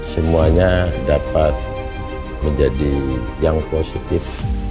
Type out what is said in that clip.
semuanya dapat menjadi yang positif